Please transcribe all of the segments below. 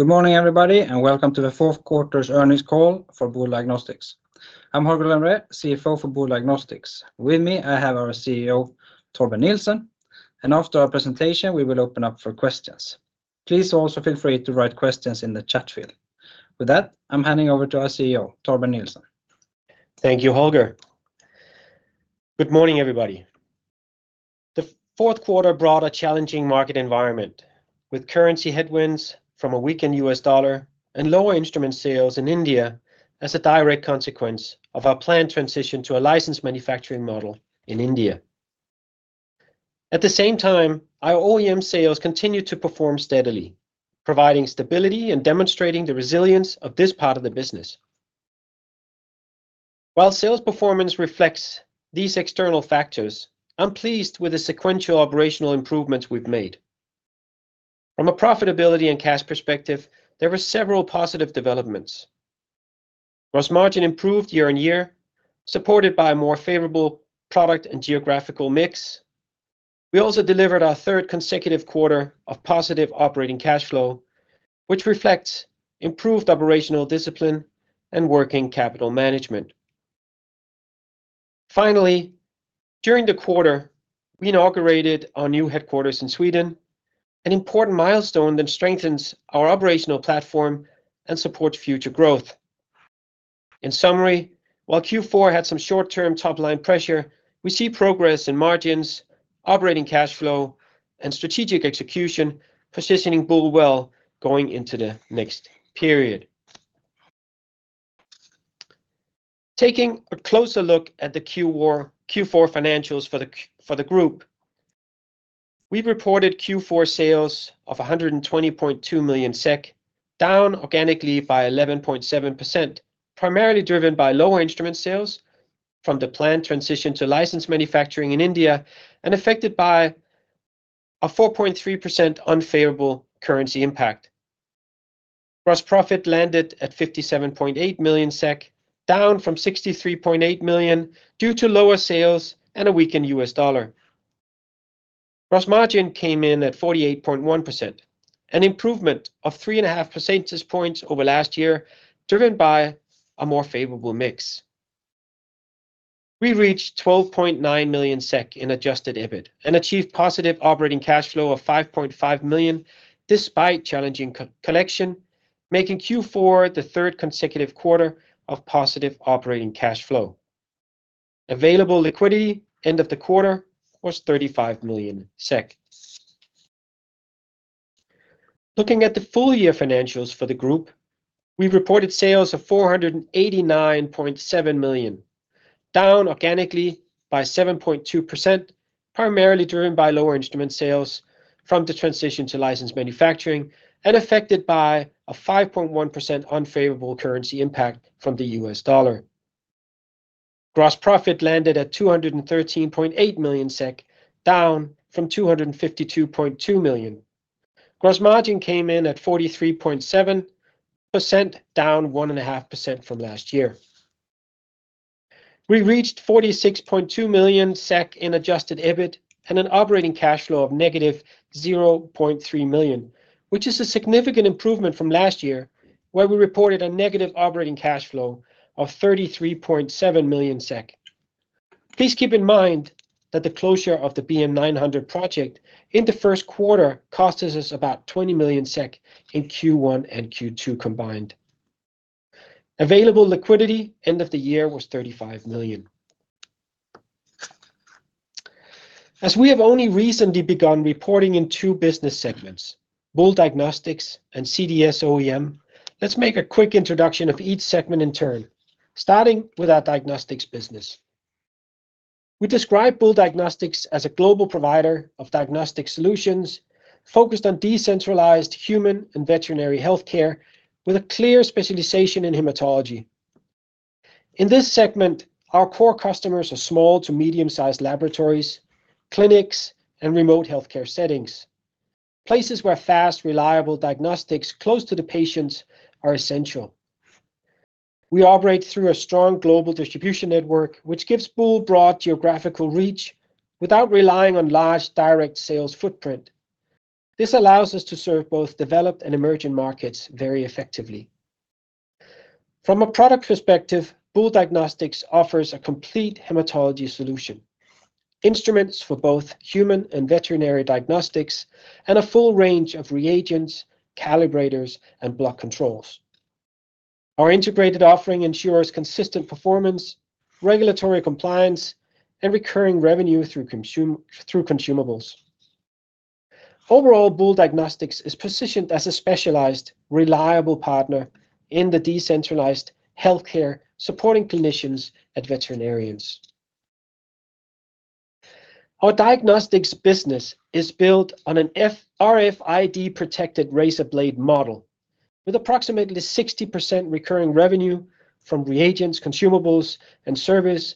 Good morning, everybody, and welcome to the fourth quarter's earnings call for Boule Diagnostics. I'm Holger Lembrér, CFO for Boule Diagnostics. With me, I have our CEO, Torben Nielsen, and after our presentation, we will open up for questions. Please also feel free to write questions in the chat field. With that, I'm handing over to our CEO, Torben Nielsen. Thank you, Holger. Good morning, everybody. The fourth quarter brought a challenging market environment, with currency headwinds from a weakened U.S. dollar and lower instrument sales in India as a direct consequence of our planned transition to a licensed manufacturing model in India. At the same time, our OEM sales continued to perform steadily, providing stability and demonstrating the resilience of this part of the business. While sales performance reflects these external factors, I'm pleased with the sequential operational improvements we've made. From a profitability and cash perspective, there were several positive developments. Gross margin improved year-over-year, supported by a more favorable product and geographical mix. We also delivered our third consecutive quarter of positive operating cash flow, which reflects improved operational discipline and working capital management. Finally, during the quarter, we inaugurated our new headquarters in Sweden, an important milestone that strengthens our operational platform and supports future growth. In summary, while Q4 had some short-term top-line pressure, we see progress in margins, operating cash flow, and strategic execution, positioning Boule well going into the next period. Taking a closer look at the Q4 financials for the group, we've reported Q4 sales of 120.2 million SEK, down organically by 11.7%, primarily driven by lower instrument sales from the planned transition to licensed manufacturing in India and affected by a 4.3% unfavorable currency impact. Gross profit landed at 57.8 million SEK, down from 63.8 million due to lower sales and a weakened U.S. dollar. Gross margin came in at 48.1%, an improvement of 3.5 percentage points over last year, driven by a more favorable mix. We reached 12.9 million SEK in Adjusted EBIT and achieved positive operating cash flow of 5.5 million, despite challenging conditions, making Q4 the third consecutive quarter of positive operating cash flow. Available liquidity end of the quarter was 35 million SEK. Looking at the full year financials for the group, we reported sales of 489.7 million, down organically by 7.2%, primarily driven by lower instrument sales from the transition to licensed manufacturing and affected by a 5.1% unfavorable currency impact from the U.S. dollar. Gross profit landed at 213.8 million SEK, down from 252.2 million. Gross margin came in at 43.7%, down 1.5% from last year. We reached 46.2 million SEK in Adjusted EBIT and an operating cash flow of -0.3 million, which is a significant improvement from last year, where we reported a negative operating cash flow of 33.7 million SEK. Please keep in mind that the closure of the BM900 project in the first quarter cost us about 20 million SEK in Q1 and Q2 combined. Available liquidity end of the year was 35 million. As we have only recently begun reporting in two business segments, Boule Diagnostics and CDS OEM, let's make a quick introduction of each segment in turn, starting with our diagnostics business. We describe Boule Diagnostics as a global provider of diagnostic solutions focused on decentralized human and veterinary healthcare, with a clear specialization in hematology. In this segment, our core customers are small to medium-sized laboratories, clinics, and remote healthcare settings, places where fast, reliable diagnostics close to the patients are essential. We operate through a strong global distribution network, which gives Boule broad geographical reach without relying on large direct sales footprint. This allows us to serve both developed and emerging markets very effectively. From a product perspective, Boule Diagnostics offers a complete hematology solution, instruments for both human and veterinary diagnostics, and a full range of reagents, calibrators, and blood controls. Our integrated offering ensures consistent performance, regulatory compliance, and recurring revenue through consumables. Overall, Boule Diagnostics is positioned as a specialized, reliable partner in the decentralized healthcare, supporting clinicians and veterinarians. Our diagnostics business is built on an RFID-protected razor blade model, with approximately 60% recurring revenue from reagents, consumables, and service,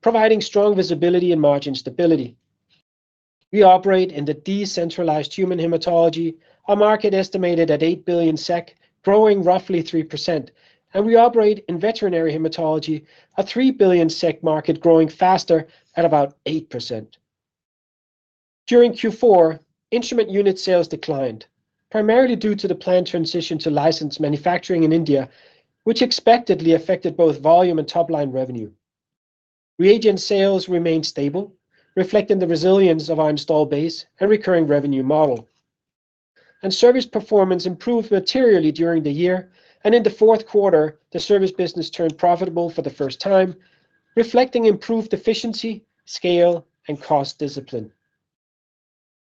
providing strong visibility and margin stability. We operate in the decentralized human hematology, a market estimated at 8 billion SEK, growing roughly 3%, and we operate in veterinary hematology, a 3 billion SEK market growing faster at about 8%. During Q4, instrument unit sales declined, primarily due to the planned transition to licensed manufacturing in India, which expectedly affected both volume and top-line revenue. Reagent sales remained stable, reflecting the resilience of our installed base and recurring revenue model. Service performance improved materially during the year, and in the fourth quarter, the service business turned profitable for the first time, reflecting improved efficiency, scale, and cost discipline.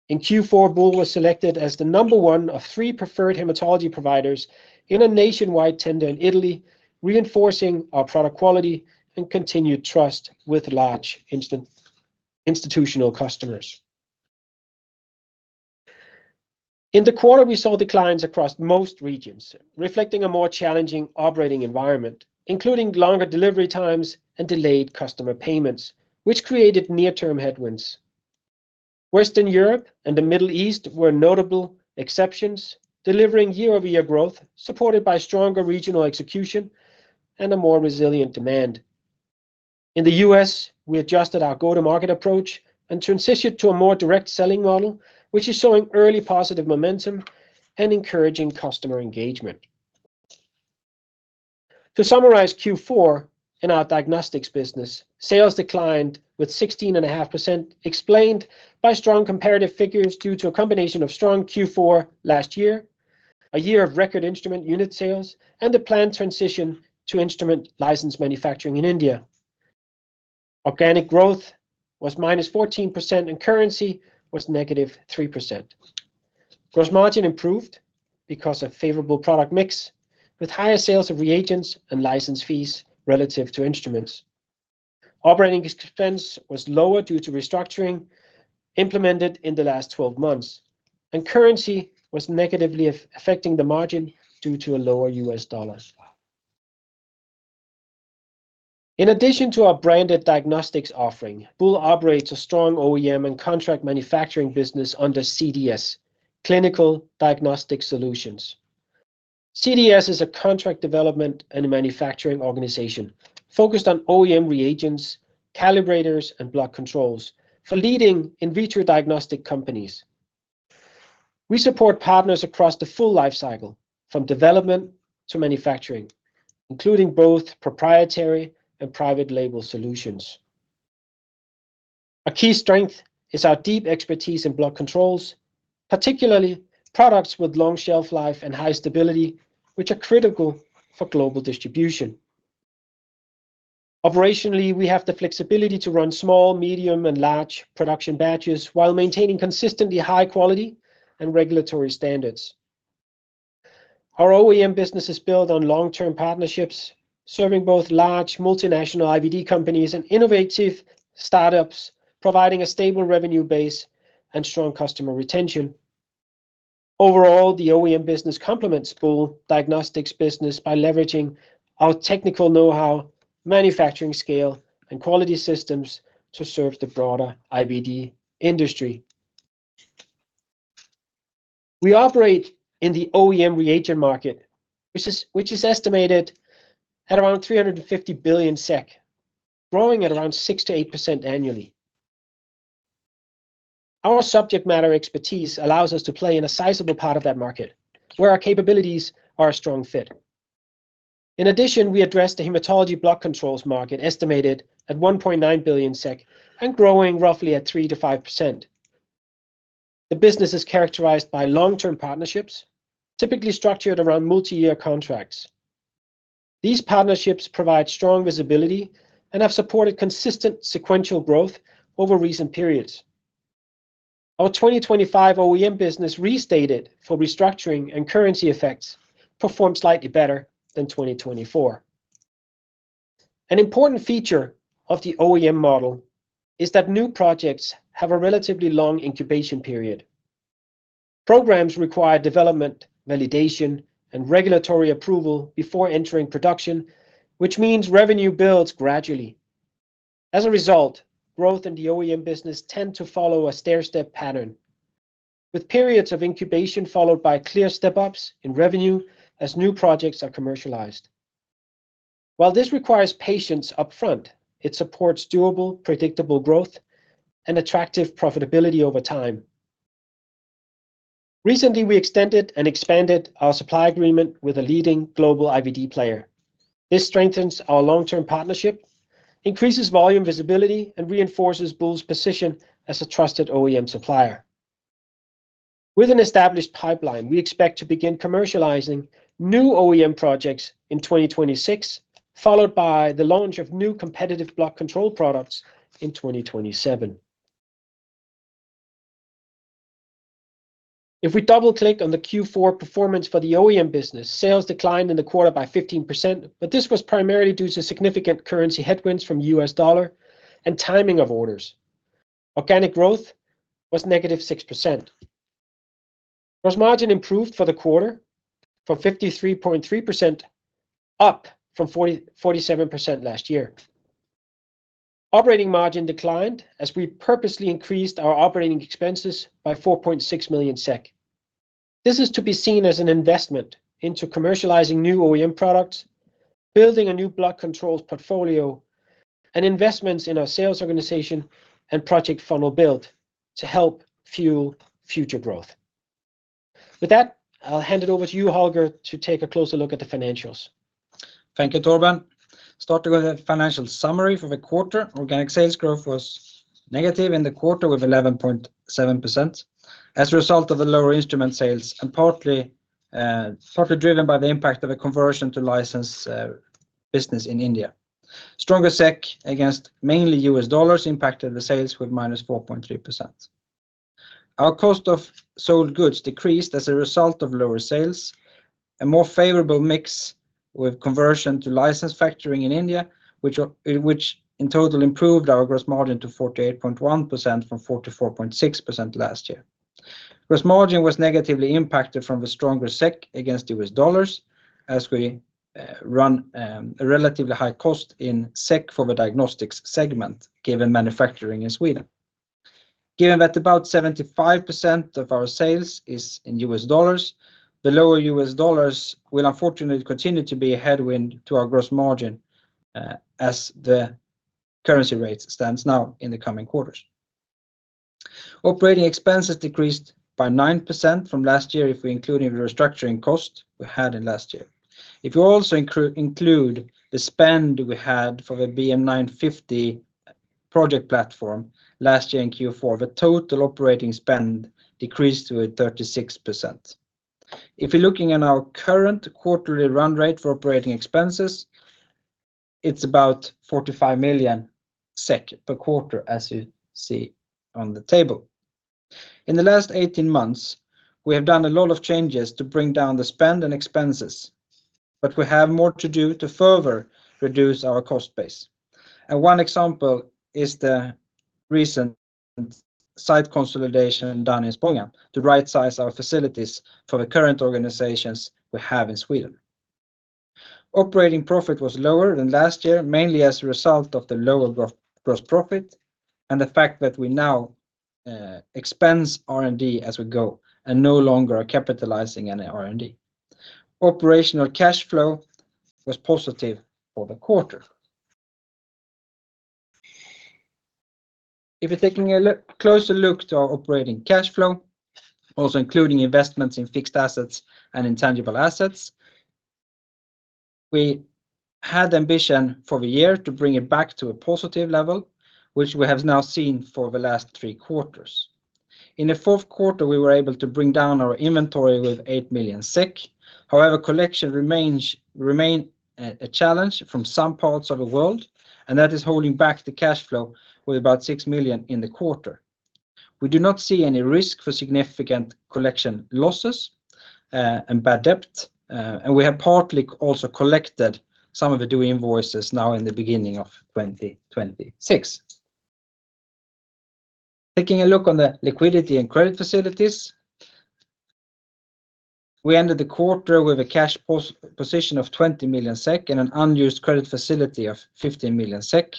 In Q4, Boule was selected as the number one of three preferred hematology providers in a nationwide tender in Italy, reinforcing our product quality and continued trust with large institutional customers. In the quarter, we saw declines across most regions, reflecting a more challenging operating environment, including longer delivery times and delayed customer payments, which created near-term headwinds. Western Europe and the Middle East were notable exceptions, delivering year-over-year growth, supported by stronger regional execution and a more resilient demand. In the U.S., we adjusted our go-to-market approach and transitioned to a more direct selling model, which is showing early positive momentum and encouraging customer engagement. To summarize Q4 in our diagnostics business, sales declined with 16.5%, explained by strong comparative figures due to a combination of strong Q4 last year, a year of record instrument unit sales, and the planned transition to instrument license manufacturing in India. Organic growth was -14% and currency was -3%. Gross margin improved because of favorable product mix, with higher sales of reagents and license fees relative to instruments. Operating expense was lower due to restructuring implemented in the last 12 months, and currency was negatively affecting the margin due to a lower U.S. dollar. In addition to our branded diagnostics offering, Boule operates a strong OEM and contract manufacturing business under CDS, Clinical Diagnostic Solutions. CDS is a contract development and manufacturing organization focused on OEM reagents, calibrators, and blood controls for leading in vitro diagnostic companies. We support partners across the full life cycle, from development to manufacturing, including both proprietary and private label solutions. A key strength is our deep expertise in blood controls, particularly products with long shelf life and high stability, which are critical for global distribution. Operationally, we have the flexibility to run small, medium, and large production batches while maintaining consistently high quality and regulatory standards. Our OEM business is built on long-term partnerships, serving both large multinational IVD companies and innovative startups, providing a stable revenue base and strong customer retention. Overall, the OEM business complements Boule Diagnostics business by leveraging our technical know-how, manufacturing scale, and quality systems to serve the broader IVD industry. We operate in the OEM reagent market, which is estimated at around 350 billion SEK, growing at around 6%-8% annually. Our subject matter expertise allows us to play in a sizable part of that market, where our capabilities are a strong fit. In addition, we address the hematology blood controls market, estimated at 1.9 billion SEK and growing roughly at 3%-5%. The business is characterized by long-term partnerships, typically structured around multi-year contracts. These partnerships provide strong visibility and have supported consistent sequential growth over recent periods. Our 2025 OEM business, restated for restructuring and currency effects, performed slightly better than 2024. An important feature of the OEM model is that new projects have a relatively long incubation period. Programs require development, validation, and regulatory approval before entering production, which means revenue builds gradually. As a result, growth in the OEM business tend to follow a stair-step pattern, with periods of incubation followed by clear step-ups in revenue as new projects are commercialized. While this requires patience upfront, it supports durable, predictable growth and attractive profitability over time. Recently, we extended and expanded our supply agreement with a leading global IVD player. This strengthens our long-term partnership, increases volume visibility, and reinforces Boule's position as a trusted OEM supplier. With an established pipeline, we expect to begin commercializing new OEM projects in 2026, followed by the launch of new competitive blood control products in 2027. If we double-click on the Q4 performance for the OEM business, sales declined in the quarter by 15%, but this was primarily due to significant currency headwinds from U.S. dollar and timing of orders. Organic growth was -6%. Gross margin improved for the quarter from 53.3%, up from 47% last year. Operating margin declined as we purposely increased our operating expenses by 4.6 million SEK. This is to be seen as an investment into commercializing new OEM products, building a new blood controls portfolio, and investments in our sales organization and project funnel build to help fuel future growth. With that, I'll hand it over to you, Holger, to take a closer look at the financials. Thank you, Torben. Start with the financial summary for the quarter. Organic sales growth was negative in the quarter with 11.7%, as a result of the lower instrument sales and partly, partly driven by the impact of a conversion to license business in India. Stronger SEK against mainly U.S. dollars impacted the sales with -4.3%. Our cost of goods sold decreased as a result of lower sales, a more favorable mix with conversion to license factoring in India, which, which in total improved our gross margin to 48.1% from 44.6% last year. Gross margin was negatively impacted from the stronger SEK against U.S. dollars as we run a relatively high cost in SEK for the diagnostics segment, given manufacturing in Sweden. Given that about 75% of our sales is in U.S. dollars, the lower U.S. dollars will unfortunately continue to be a headwind to our gross margin as the currency rate stands now in the coming quarters. Operating expenses decreased by 9% from last year if we include the restructuring cost we had in last year. If you also include the spend we had for the BM900 project platform last year in Q4, the total operating spend decreased to a 36%. If you're looking at our current quarterly run rate for operating expenses, it's about 45 million SEK per quarter, as you see on the table. In the last 18 months, we have done a lot of changes to bring down the spend and expenses, but we have more to do to further reduce our cost base. One example is the recent site consolidation done in Spånga to right-size our facilities for the current organizations we have in Sweden. Operating profit was lower than last year, mainly as a result of the lower gross profit and the fact that we now expense R&D as we go and no longer are capitalizing any R&D. Operational cash flow was positive for the quarter. If you're taking a closer look to our operating cash flow, also including investments in fixed assets and intangible assets, we had ambition for the year to bring it back to a positive level, which we have now seen for the last three quarters. In the fourth quarter, we were able to bring down our inventory with 8 million SEK. However, collection remains a challenge from some parts of the world, and that is holding back the cash flow with about 6 million in the quarter. We do not see any risk for significant collection losses and bad debt, and we have partly also collected some of the due invoices now in the beginning of 2026. Taking a look on the liquidity and credit facilities, we ended the quarter with a cash position of 20 million SEK and an unused credit facility of 15 million SEK.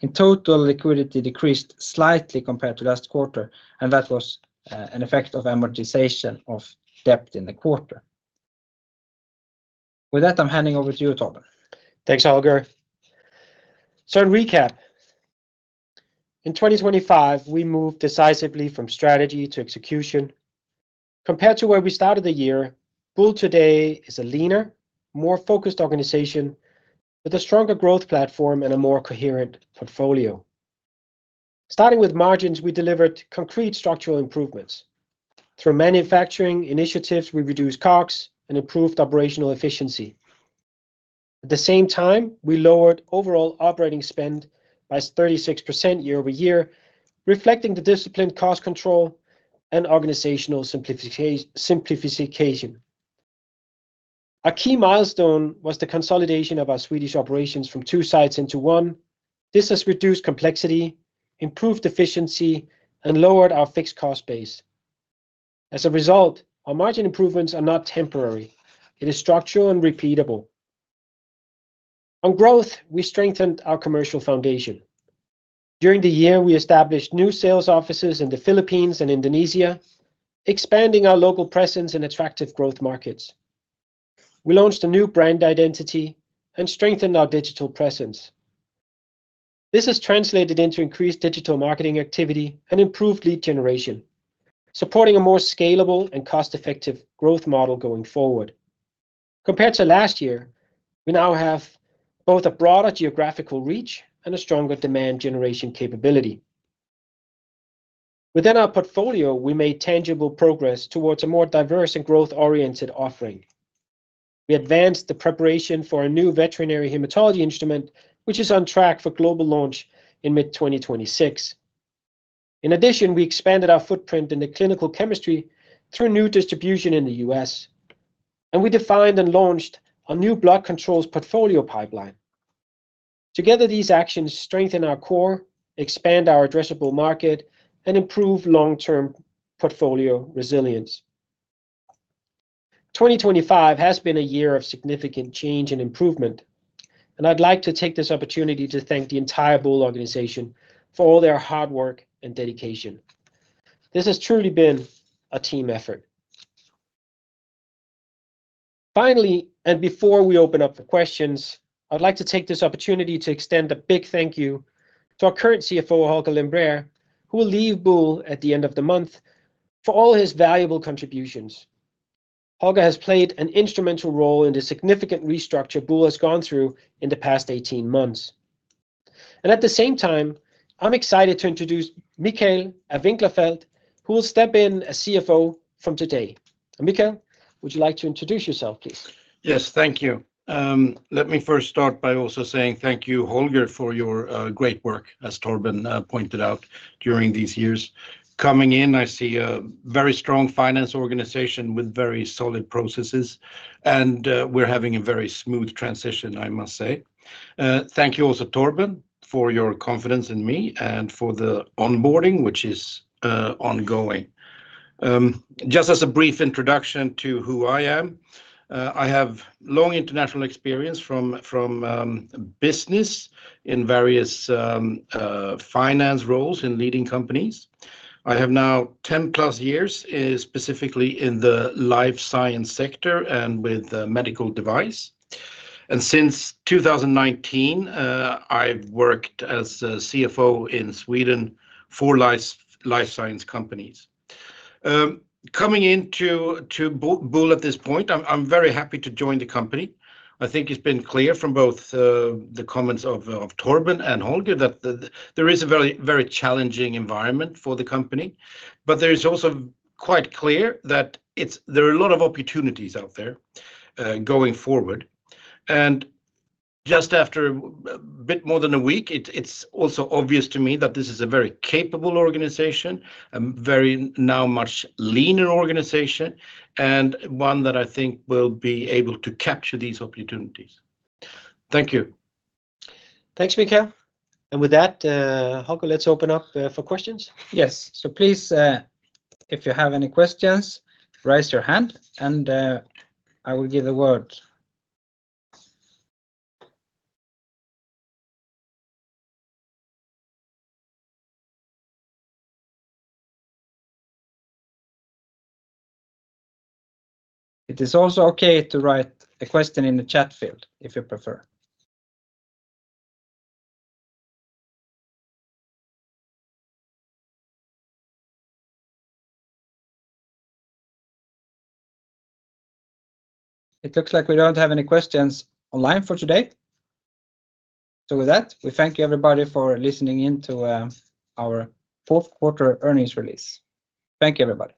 In total, liquidity decreased slightly compared to last quarter, and that was an effect of amortization of debt in the quarter. With that, I'm handing over to you, Torben. Thanks, Holger. In recap, in 2025, we moved decisively from strategy to execution. Compared to where we started the year, Boule today is a leaner, more focused organization with a stronger growth platform and a more coherent portfolio. Starting with margins, we delivered concrete structural improvements. Through manufacturing initiatives, we reduced COGS and improved operational efficiency. At the same time, we lowered overall operating spend by 36% year-over-year, reflecting the disciplined cost control and organizational simplification. A key milestone was the consolidation of our Swedish operations from two sites into one. This has reduced complexity, improved efficiency, and lowered our fixed cost base. As a result, our margin improvements are not temporary. It is structural and repeatable. On growth, we strengthened our commercial foundation. During the year, we established new sales offices in the Philippines and Indonesia, expanding our local presence in attractive growth markets. We launched a new brand identity and strengthened our digital presence. This has translated into increased digital marketing activity and improved lead generation, supporting a more scalable and cost-effective growth model going forward. Compared to last year, we now have both a broader geographical reach and a stronger demand generation capability. Within our portfolio, we made tangible progress towards a more diverse and growth-oriented offering. We advanced the preparation for a new veterinary hematology instrument, which is on track for global launch in mid-2026. In addition, we expanded our footprint in the clinical chemistry through new distribution in the US, and we defined and launched our new blood controls portfolio pipeline. Together, these actions strengthen our core, expand our addressable market, and improve long-term portfolio resilience. 2025 has been a year of significant change and improvement, and I'd like to take this opportunity to thank the entire Boule organization for all their hard work and dedication. This has truly been a team effort. Finally, and before we open up for questions, I'd like to take this opportunity to extend a big thank you to our current CFO, Holger Lembrér, who will leave Boule at the end of the month, for all his valuable contributions. Holger has played an instrumental role in the significant restructure Boule has gone through in the past 18 months. And at the same time, I'm excited to introduce Mikael af Winklerfelt, who will step in as CFO from today. Mikael, would you like to introduce yourself, please? Yes, thank you. Let me first start by also saying thank you, Holger, for your great work, as Torben pointed out, during these years. Coming in, I see a very strong finance organization with very solid processes, and we're having a very smooth transition, I must say. Thank you also, Torben, for your confidence in me and for the onboarding, which is ongoing. Just as a brief introduction to who I am, I have long international experience from business in various finance roles in leading companies. I have now 10+ years specifically in the life science sector and with medical device. And since 2019, I've worked as a CFO in Sweden for Life Science companies. Coming into Boule at this point, I'm very happy to join the company. I think it's been clear from both, the comments of, of Torben and Holger, that there is a very, very challenging environment for the company, but there is also quite clear that it's, there are a lot of opportunities out there, going forward. And just after a bit more than a week, it, it's also obvious to me that this is a very capable organization, a very now much leaner organization, and one that I think will be able to capture these opportunities. Thank you. Thanks, Mikael. With that, Holger, let's open up for questions. Yes. So please, if you have any questions, raise your hand, and I will give the word. It is also okay to write a question in the chat field if you prefer. It looks like we don't have any questions online for today. So with that, we thank you, everybody, for listening in to our fourth quarter earnings release. Thank you, everybody. Thank you.